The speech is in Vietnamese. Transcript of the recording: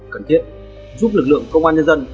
cần thiết giúp lực lượng công an nhân dân